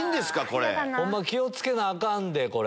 ホンマ気を付けなアカンでこれ。